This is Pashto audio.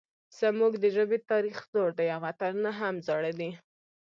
زموږ د ژبې تاریخ زوړ دی او متلونه هم زاړه دي